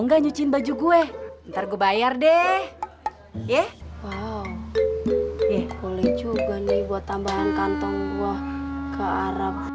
nggak nyuci baju gue ntar gue bayar deh ya wow boleh juga nih buat tambahan kantong gua ke arab